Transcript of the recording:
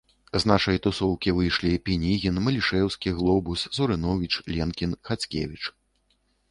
З нашай тусоўкі выйшлі Пінігін, Малішэўскі, Глобус, Сурыновіч, Ленкін, Хацкевіч